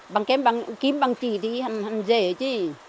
bằng kím bằng chỉ thì dễ chứ